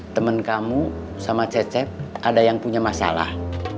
temen kamu sama cecep ada yang punya masalah